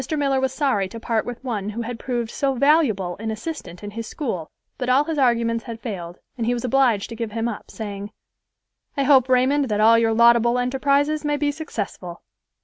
Miller was sorry to part with one who had proved so valuable an assistant in his school, but all his arguments had failed and he was obliged to give him up, saying, "I hope, Raymond, that all your laudable enterprises may be successful."